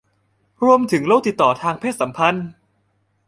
รวมถึงโรคติดต่อทางเพศสัมพันธ์